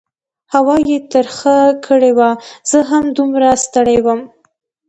هوا یې تربخه کړې وه، زه هم دومره ستړی وم.